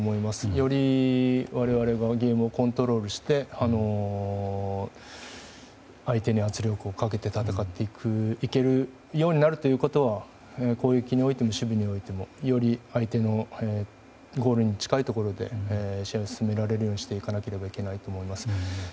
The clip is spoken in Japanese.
より我々がゲームをコントロールして相手に圧力をかけて戦っていけるようになることは攻撃においても守備においてもより相手のゴールに近いところで試合を進められるようにしていかないといけないと思います。